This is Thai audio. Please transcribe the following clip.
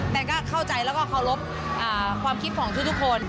แต่ก็เข้าใจแล้วก็เคารพความคิดของทุกคน